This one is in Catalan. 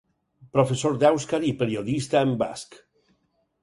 Professor d'èuscar i periodista en basc.